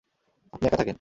আপনি একা থাকেন।